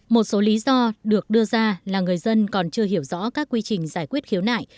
một số lý do được đưa ra là người dân còn chưa hiểu rõ các quy trình giải quyết khiếu nại